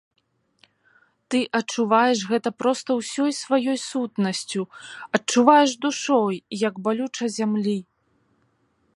Ты адчуваеш гэта проста ўсёй сваёй сутнасцю, адчуваеш душой, як балюча зямлі.